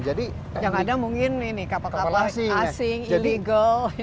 jadi yang ada mungkin ini kapal kapal asing illegal